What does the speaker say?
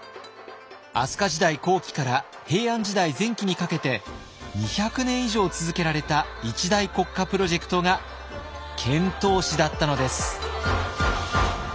飛鳥時代後期から平安時代前期にかけて２００年以上続けられた一大国家プロジェクトが遣唐使だったのです。